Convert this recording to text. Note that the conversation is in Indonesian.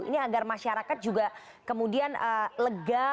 ini agar masyarakat juga kemudian lega